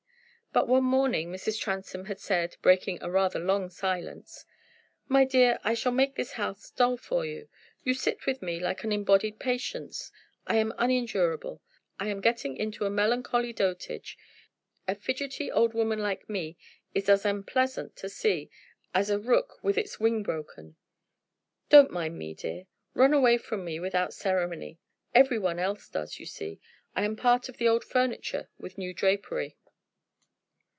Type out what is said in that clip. But, one morning, Mrs. Transome had said, breaking a rather long silence "My dear, I shall make this house dull for you. You sit with me like an embodied patience. I am unendurable; I am getting into a melancholy dotage. A fidgety old woman like me is as unpleasant to see as a rook with its wing broken. Don't mind me, my dear. Run away from me without ceremony. Every one else does, you see. I am part of the old furniture with new drapery."